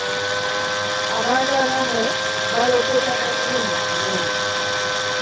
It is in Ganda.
Abantu abamu balogootana nnyo mu kiro.